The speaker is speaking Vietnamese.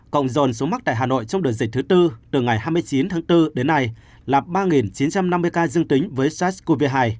cộng dồn số mắc tại hà nội trong đợt dịch thứ tư từ ngày hai mươi chín tháng bốn đến nay là ba chín trăm năm mươi ca dương tính với sars cov hai